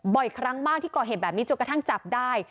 บ่อยครั้งมากที่ก่อเหตุแบบนี้จนกระทั่งจับได้